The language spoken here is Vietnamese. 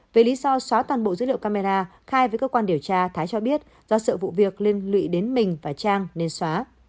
với lý do xóa toàn bộ dữ liệu camera khai với cơ quan điều tra thái cho biết do sợ vụ việc nên lụy đến mình và trang nên xóa